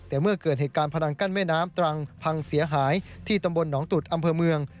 แต่เมื่อเกิดเหตุการณ์พนังกั้นแม่น้ำตรังพังเสียหายที่ตำบลหนองตุดอำเภอเมือง